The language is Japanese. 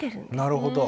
なるほど。